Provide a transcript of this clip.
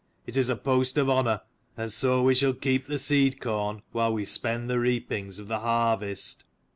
It is a post of honour. And so we shall keep the seed corn while we 133 spend the reapings of the harvest."